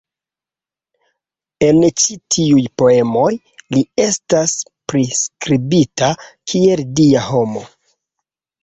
En ĉi tiuj poemoj li estas priskribita kiel dia homo.